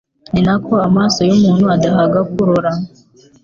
ni na ko amaso y’umuntu adahaga kurora